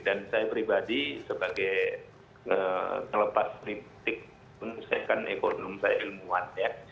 dan saya pribadi sebagai ngelepas kritik saya kan ekonomi saya ilmuwan ya